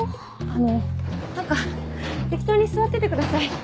あの何か適当に座っててください。